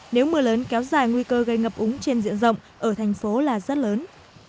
nếu mưa lớn kéo dài nguy cơ gây ngập úng trên diện rộng ở thành phố là rất lớn